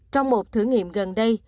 trong một thử nghiệm gần đây